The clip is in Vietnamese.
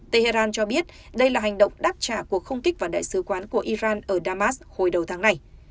tehran cho biết đây là hành động đáp trả cuộc không kích vào đại sứ quán của iran ở damas hồi đầu tháng này